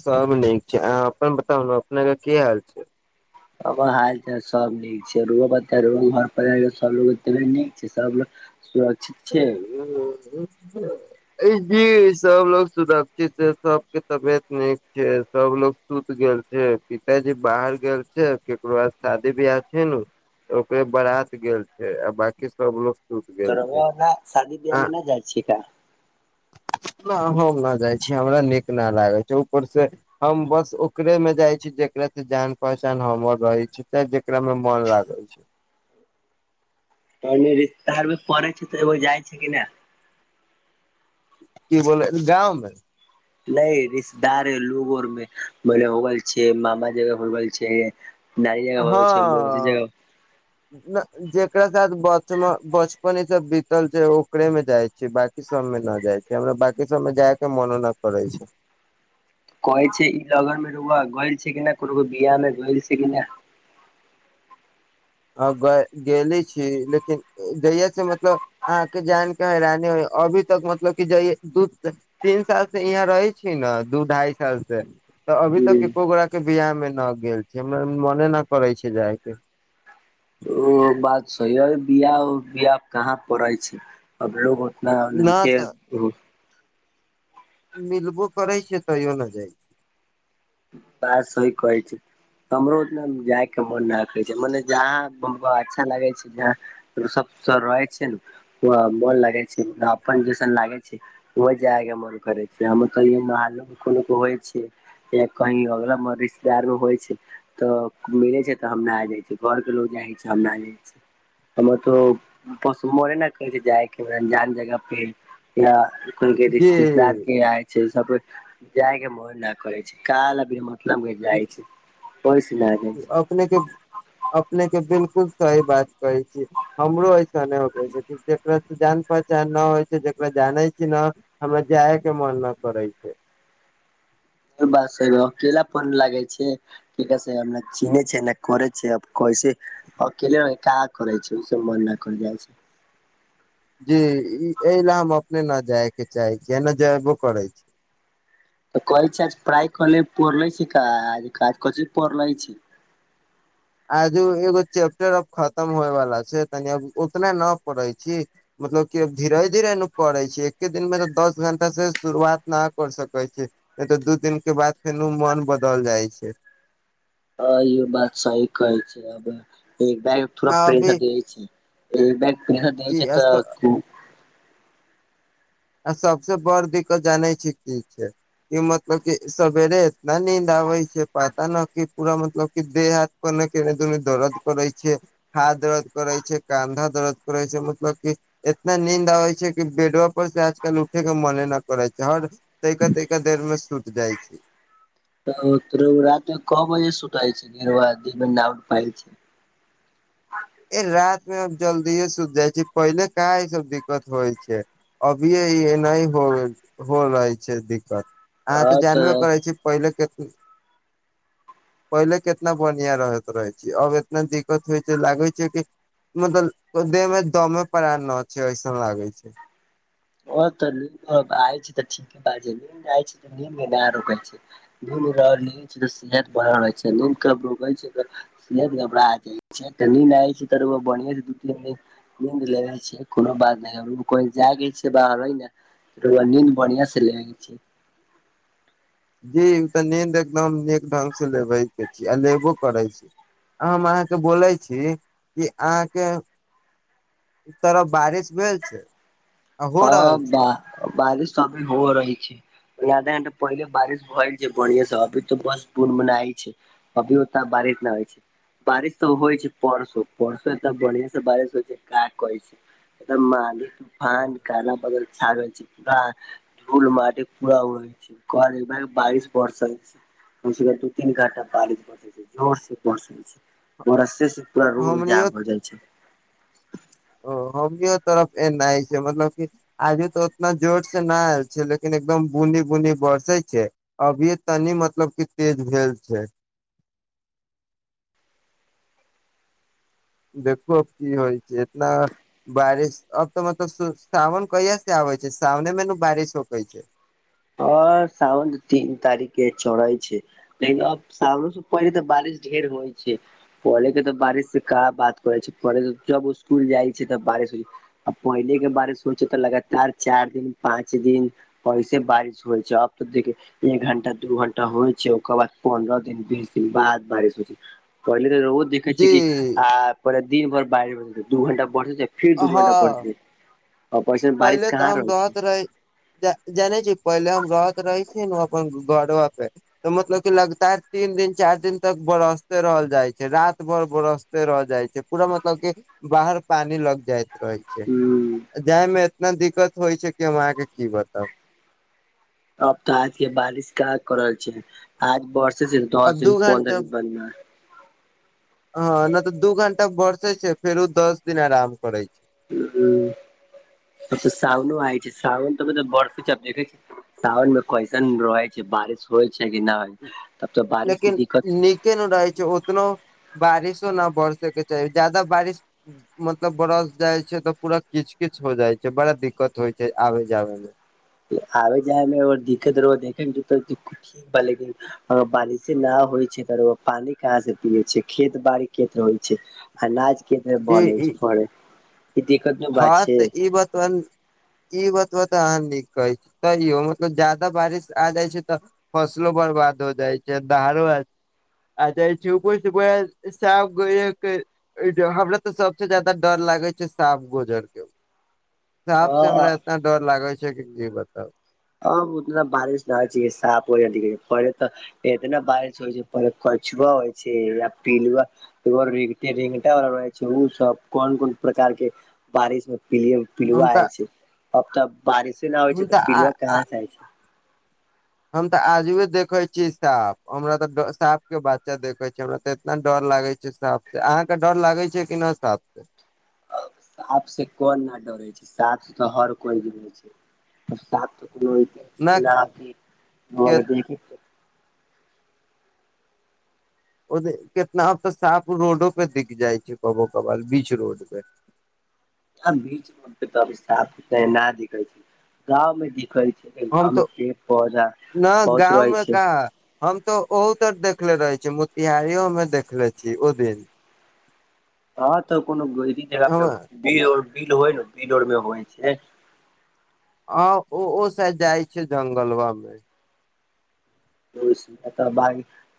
सब नीक छै अह अपन बतालहु अपने के की हाल छै आ हाल चाल सब नीक छै रुो प घर पर सबो देे नीक छै सब संव ठीक छै ह जी सब लोग सुरक्षित छै सबके तबियत नीक छै सबलोग सुत गेल छै पिताजी बाहर गेल छै केकरो बाद शादी बियाह छै ने ओकरे बराात गेल छै आ बकी सबलोग सुति तो गेल छै रउआ ना शादी बियाहमे नहि जाइ छि क न हम न जाइ छीय हमरा नीक न लागै छै ऊपर से हम बस ओकरे मे जाइ छी जेकरा से जान पहचान हमर रहै छी जेकरा मे मन लागै छै तने रिश्तारमे पड़े छै तऽ एगो जाइ छै कि नहि की बोलै गाँवमे नहि रिश्तेदार ह लोगोरमे बोने हो गेल छै मामा जगह हो गेलल छै दाल जगह होइ छै हँ जग जेकरा साथ बचपने सब बीतल छै ओकरे में जाइ छै ब बी सब मे न जाइ छै हमरा बकी सबमे जाय के मनो न करै छै कहै छै ई लगन मे रबआ गल छै कि न कोनो को बिआ मे गल छै कि नहि ह ग गेले छी लेकिन जहिया से मतलब आहके जानके हैरानी होइ अभी तक मतलब कि जइए दूध त तीन साल से यहाँ रहै छी ने दू ढाई साल से तऽ अभी तक हुं एको गोड़ा के बियाह मे न गेल छै हमारा मने न करे छै जाय के ओ बात सही हइ बिआह बिआह कहाँ पड़ै छै अरो होतना न लैके मिलबो करै छ तैयो ने जाइ छै बात सहि कहि छै हमरो उतना जाय के मन राखै छै मने जहाँ अच्छा लागै छै जहाँ सब रहै छै ने मोन लगे छै अपन जैसन लागे छै ओह जाय के मन करे छै हम त महलो कोनो होइ छ य कही अगला रिश्तेदारो होइ छै तऽ मिले छै तऽ हमरा आ जाय छै घर के लोग जाइ छै हमरा जाइ छै हमर तऽ ब मोने न करै छै जायके अनजान जगह पे या को के छी रिश्तेदार के जी आ छै सब जाय के मोन न करे छै काल त जाइ छै कोइ सुनहि अपने के अपने के बिलकुल सही बात कहै छीियै हमरो ऐस अक होइ छै जकरास से जान पहचान नहि होइ छै जकरा जानै छी न हमरा जाय के मन न करै छै बात छै अकेलापन लागै छै ठीके छैनअ चिने छै ने कर छै आ कैस अकेले क हाँकरै छै उस मन न कर जाइ छै जी एहि ले हम अपने न जाय के चाहे छीयै ने जयबो करै छी त कहै छै आज प्राय कने पढ़ले छै काज काज क पढ़ले छै आजू एगो चैप्टर अब खतम होय वाला छै तनी अब उतना न पढ़े छी मतलब क धीरे धीरे ने पड़े छै एके दिन मे दस घं्टा से शुरुआत न कर सकै छै नहि तऽ दू दिन के बाद फेर मन बदल जाइ छै ह ई हो बात सही कहै छै अब एक थो आ अभी प्रेसर दै छै ई बैग पसा द छै तऽ जी खू आ सबसे बड़ दिक्कत जानै छै की छै कि मतलब क सवेरे एतना नीन्द आबै छै पता न की पूरा मतलब कि देह हाथ कोने के दुन दर्द करे छै हाथ दर्द करै छै कन्धा दर्द करै छै मतलब की इतना नींद आबै छै कि बेडो ऊपर से आजकल उठे के मने न करे छै हर तका तैका देर में सुत जाइ छै त तर रात क बजे सुताइ छै गर दीमे नउ पाय छै ए रात मे हम जल्दीे सुति जाइ छी पहिले क सब दिक्कत होइ छै अभी इ एनाहीय हो हो रहै छै दिक्कत अहाँ त अ तऽ जानबे करै छी पहिले के पहिले केतना बढ़िया रहत रहे छै अब एतना दिक्कत होय छै लागे मतलब देह मे द मे पड़ा न छै ऐसन लागे छै ओ तऽ आ ठीके बात छै नी रै छै दू ल छै त सेहत बढ़ल रहे छै दूध केब रो के छै सेहत गबड़ जाय नी न छै तर बिय दूती [unintelligible] नीन्द लेे छै कोनो बात नै कोई जागे छी बाहरै ने रउआ नींद बढ़िया से ल छी जी त नीन्द एकदम नीक ढंग से लेबे के छी आ लेबो करै छी हम अहाँ के बोले छी कि अहाँ के तोरा बारिश भेल छै आ हो हँ रहल ब छै बारिश सबभी हो रहै छै आधा घंटा पहिले बारिश भ गेल छै बढ़िया से अभी त बस बुनबुनाय छै अभिवता [unintelligible] बारीतना होइ छै बारिश त होइ छै परसो परसो एत बढ़िया से बारिश होइ छै का कहै छै एकरमाली तूफान काला बादल छा गेल छै पूरा ढूल माटी पुरा उड़े छै घर [unintelligible] बारिश बरसे छै उसके दू तीन घंटा बालित पै छै जोर से बरसै छै बरसे से पूरा रोड हमनियो जाम हो जाइ छै ओ हमीयो तरफ ए नहि छै मतलब की आजू तऽ उतना जोर से न आयल छै लेकिन एकदम बुनी बुनी बरसे छै अभिय तनी मतलब क तेज भेल छै देखू की होइ छै इतना बारिश अब त मतलब सावन कहिया से आबै छै सावने मे न बारिश होकै छै अ सावन तीन तारीखे चढ़इ छै लेकिन अब सावरो सँ पहिले त बारिश ढेर होइ छै कले के त बारिश का बात करै छैे जब स्कुल जाइ छै त बारिश आ पहिले के बारे सोचे त लगातार चार दिन पाँच दिन ऐसे बारिश होइ छै अब त एक घंटा दू घंटा होइ छै ओकर बाद पन्द्रह दिन बीस दिन बाद बारिश होइ छै पहिले त रोज देखै जी छ कि आ पहिले दिन भर बारिश दू घंटा बरसे छै फिर दू हँ घंटा परतै उपरसे बारिश कहाँ रहै छै जाने छी पहिले हम रहत रहे छी ने अपन घरबा पे त मतलब क लगातार तीन दिन चार दिन तक बरसते रहल जाए छै रात भर बरस रह जाइ छै पूरा मतलब क बाहर पानी लग जाइत रहै छै ह जाय में एतना दिक्कत होइ छै कि हम अहाँ के की बताऊ अब तऽआज के बारिश का करल जाए आज बरसे छै दस अब दिन दू घंटा पंन्द्रह दिन बाद न हँ नहि तऽ दू घंटा बरसे छै फेरो दस दिन आराम करे छै ब त सावनो आइ छै सावनो त बरसे छै [unintelligible] बर्फे छैब देखै छ सावन मे कइसन बूझाय बारिश होइ छै कि नहि तब तऽ बारिश लेकिन के दिक्कत नीक के नहि रहै छै ओतनो बारिसो नहि भर सके चाही ज्यादा बारिश मतलब बरस जाइ छै त पूरा किच किच हो जाइ छै बड़ा दिक्कत होइ छै आबे जाबे मे आबे जायमे दिक्कत र बारिशे नहि होइ छै त पानी कहाँ से पियै छै खेत बाड़ी कत होइ छै अनाज कते जी बनेज ई [unintelligible] पे ई दत हँ तऽ इ बात ई बतब तऽ अहाँ नीक कहै छी तैयो मतलब ज्यादा बारिश आ जाइ छै तऽ फसलो बर्बाद भ जाइ छै दहारो अ त छ कोइ छै को साफ [unintelligible] जे हमरा तऽ सबसे ज्यादा डर लागे छै सांप गुजर के सांप से अ हमरा इतना डर लागे छै कि की बताउ आब उतना बारिश भय जेइहे साफ हो पहिले त इतना बारिश होइ छै पे कछुआ होइ छै या पिलुआ ए रे रिंग [unintelligible] वालला रहै छै ओ सब कोन कोन प्रकार के बारिश मे प हम पिलुआ आइ तऽ छै अब तऽ बारिशे नहि होइ छै तऽ पिलुव आ कहाँ से होइ छै हम ते आजुए देखे छी सांप हमरा ते साफ के बच्चा देखे छी हमरा ते इतना डर लागे छै सांप से अहाँके डर लागै छै कि नहि सांप से सांप से कोन न डरे छै सांप से तऽ हर कोइ डरै छै सांप तऽ कोनो न के [unintelligible] ओ कितना त साफ रोडो पे दिख जाइ छै कभो कभार बीच रोड पे बीच रोड पे त अब सांप ते ह ना दि छै गाँंव में दि हम गांव में तो पेड़ पौधा न बहुत गाँव रहै मे छै कहा हम तऽ ओहु तर देखले रहे छी मोतिहारी ओ मे देखले छी ओ दिन ह तऽ कोनो जगह हम पेर बिल हो ने बिल ओर मे होइ छै हां ओ ओ साइब जाय छै जंगलवा मे ओ तऽ बइ [unintelligible]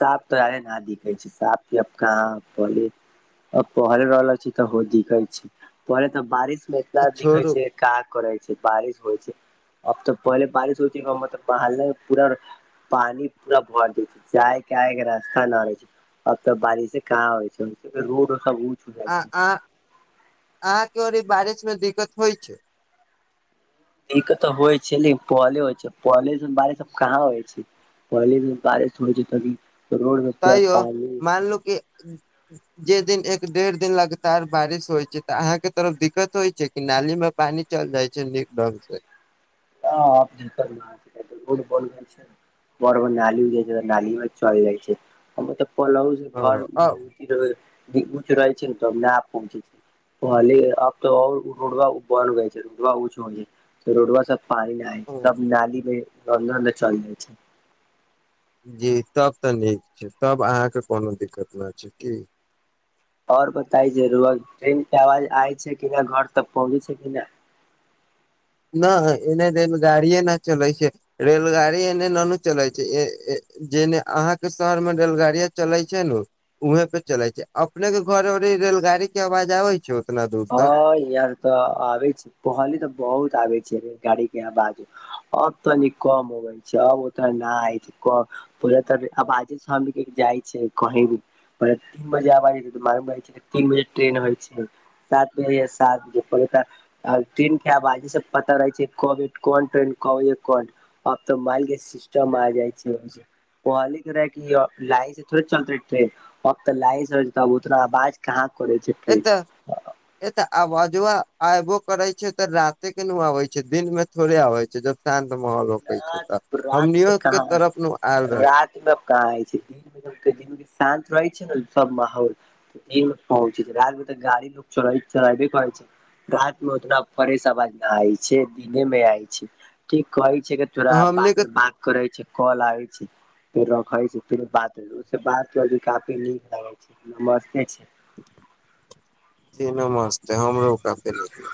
सांप तो अरे न दिखै छै सांप कह बोली अ पहले रहल छी तऽ दिखै छै पहले तऽ बारिश मे आ इतना दिखै छोड़ू छै का करै छै बारिश होइ छै अब तऽ पहले बारिश होइ छै मतलब बर पूरा पानी पूरा भर दै छै जाय के आय के रास्ता न रह छै अब तऽ बारिश से कहाँ होइ छै सब रोड हो जाइ आ छै अह अहाँके ओर बारिश में दिक्कत होइ छै इ तऽ होइ छै ने पहले होइ छै पहले अइसन बारिश अब कहाँ होइ छै पहिले बारिश होइ छै तभी रोड मे पूरा तैयो पानी मानलू कि जे दिन एक डेढ़ दिन लगातार बारिश होइ छै तऽ अहाँके तरफ दिक्कत होइ छै नाली में पानी चल जाइ छै नीक ढंग से ह देखट बॉल छै [unintelligible] बड़ बड़ नाली जा छै तऽ नालीमे चल जाइ छै हमर तऽ पल घर अ रहै छै ने तने आ पहुँचे छै पहले आब तो रोडवा बन गए छै रोडवा ऊचं होगेल रोडवा सब पानि नहिय छै त नाली मे रधा चलि जाइ छै जी तब तऽ नीक छै तब अहाँके कोनो दिक्कत न छै की ओर बताई जरूर ट्रेन के आवाज आय छै कि नहि घर तक पहुँचे छै कि नहि न एने त गाड़िए न चलै छै रेलगाड़ी एने ननू चलैत छै ए जेने अहाँके शहरमे रेलगाड़ी चलैत छै ने उहे पे चले छै अपने के घर उरी रेलगाड़ी के आवाज आबै छै उतना दूर ह तक यहाँ तऽ आबे छै पहली तऽ बहुत आबे छै रेलगाड़ी के आवाज अब तनि कम होबै छै अब ओतऽ नहि छै क पहिले तऽ आब आजे स्वामी के जाइ छै कही प तीन बजे आबाज जेै तऽ मारै छै तीन बजे ्रेन होइ छै [unintelligible] साथ मेै साथ जै परता आ तीन टा बाजी सब पता रहै छै कोन क कोन आब तऽ माल के सिस्टम आ जाइ छै ओहलि कर रहै कि लाइ से थोड़े चलतेै ट्रेन अब तऽ लाई से उतना आवाज [inaudible] कहाँ करै छै फि एतऽ ए तऽ आबाजुा अयबो करै छै तऽ राते के न आबै छै दिन मे थोड़े होै छै जब शान्त माहौल होक छै तऽ तब हमनियो के तरफ नु आयल रहे कहाँइ छै दिनके शान्त रहै छै ने सब माहौल लोक पहुँच छै आब त गड़ी ल लोक चल चलबे कर छै राति मे उतना फ्रेश आवाज नहि आय छै दिने मे आय छै ठीक कहै छै थोरा रहे हम हमनी बाद के में बात करै छै काल आबै छै फेर रखै छै फेर बात बाती काफी नीक लगे छै नस्ते छै तीनो मस्त ह हमरो कफे निकल